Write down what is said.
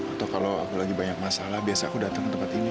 atau kalau aku lagi banyak masalah biasa aku datang ke tempat ini